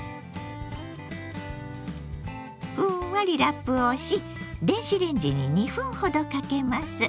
ふんわりラップをし電子レンジに２分ほどかけます。